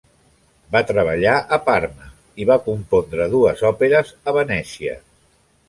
Va treballar a Parma i va compondre dues òperes a Venècia.